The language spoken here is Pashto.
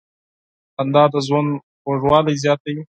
• خندا د ژوند خوږوالی زیاتوي.